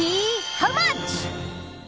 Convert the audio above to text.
ハウマッチ。